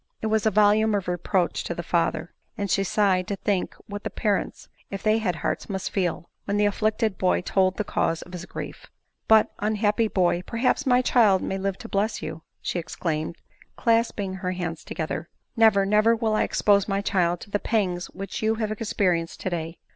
It was a volume of reproach to the father ; and she sighed to think what the parents, if they had hearts, must feel, when the afflicted bfty told the cause of his grief. " But, unhappy boy, perhaps my child may live to bless you !" she exclaimed, clasping her hands together ;" never, never will I expose my child to the pangs which you have experienced today."